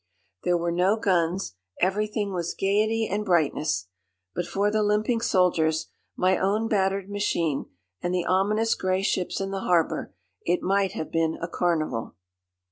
There were no guns; everything was gaiety and brightness. But for the limping soldiers, my own battered machine, and the ominous grey ships in the harbour, it might have been a carnival.